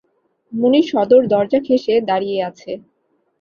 মুনির সদর দরজা ঘেষে দাঁড়িয়ে আছে।